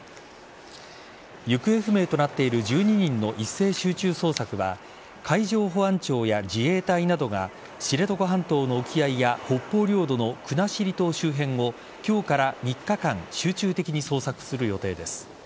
行方不明となっている１２人の一斉集中捜索は海上保安庁や自衛隊などが知床半島の沖合や北方領土の国後島周辺を今日から３日間集中的に捜索する予定です。